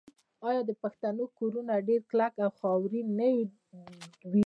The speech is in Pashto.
آیا د پښتنو کورونه ډیر کلک او خاورین نه وي؟